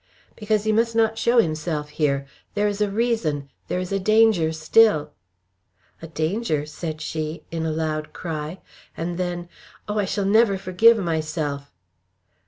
"Because he must not show himself here. There is a reason! There is a danger still!" "A danger," she said, in a loud cry, and then "Oh! I shall never forgive myself!"